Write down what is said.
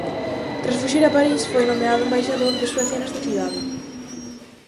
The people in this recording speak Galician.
Tras fuxir a París, foi nomeado embaixador de Suecia nesta cidade.